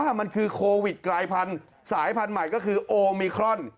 มันคือโควิดกลายพันธุ์สายพันธุ์ใหม่ก็คือโอมิครอน